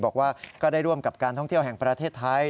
บอกว่าก็ได้ร่วมกับการท่องเที่ยวแห่งประเทศไทย